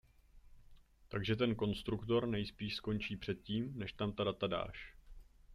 Takže ten konstruktor nejspíš skončí před tím, než tam ta data dáš.